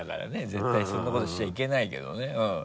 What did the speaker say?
絶対そんなことしちゃいけないけどね。